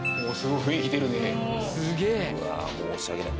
すげえうわ申し訳ない